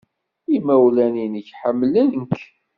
Imawlan-nnek ḥemmlen-k.